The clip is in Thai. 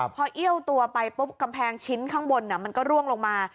พอเอี้ยวตัวไปปุ๊บกำแพงชิ้นข้างบนมันก็ร่วงลงมา